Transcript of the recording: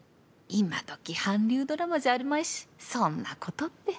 今どき韓流ドラマじゃあるまいしそんな事って